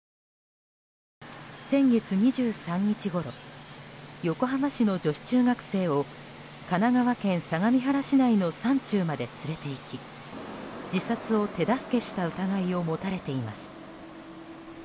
先月２３日ごろ横浜市の女子中学生を神奈川県相模原市内の山中まで連れていき自殺を手助けした疑いを持たれています。